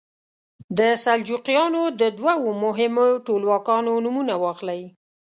د سلجوقیانو د دوو مهمو ټولواکانو نومونه واخلئ.